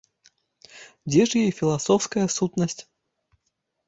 Дзе ж яе філасофская сутнасць?